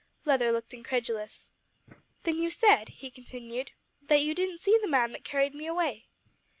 Leather looked incredulous. "Then you said," he continued, "that you didn't see the man that carried me away."